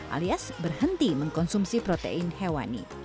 alias berhenti mengkonsumsi protein hewani